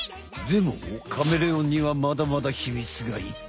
でもカメレオンにはまだまだ秘密がいっぱい。